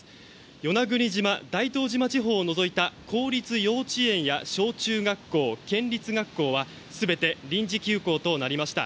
与那国島、大東地方を除いた公立幼稚園や小中学校県立学校は全て臨時休校となりました。